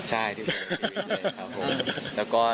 ใช่ที่สุดในชีวิตเลยครับ